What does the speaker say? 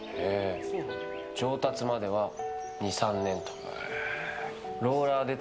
上達までは２３年と。